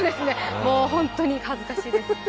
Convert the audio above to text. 本当に恥ずかしいです。